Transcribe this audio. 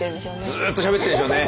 ずっとしゃべってるんでしょうね。